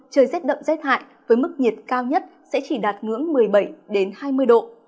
trời rét đậm rét hại với mức nhiệt cao nhất sẽ chỉ đạt ngưỡng một mươi bảy hai mươi độ